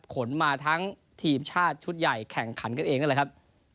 ขนมาทั้งทีมชาติชุดใหญ่แข่งขันกันเองนั่นแหละครับ